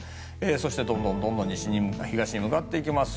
そして、どんどん東に向かっていきます。